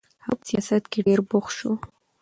هغه په سیاست کې ډېر بوخت شو.